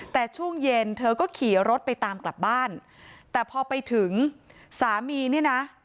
แต่ช่วงเย็นเธอก็ขี่รถไปตามกลับบ้านแต่พอไปถึงสามีเนี่ยนะ